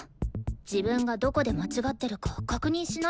自分がどこで間違ってるか確認しないと。